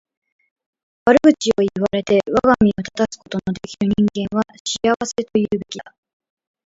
悪口を言われて我が身を正すことの出来る人間は幸せと言うべきだ。